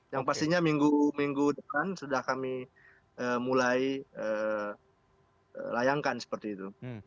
yang pastinya minggu minggu depan sudah kami mulai layangkan seperti itu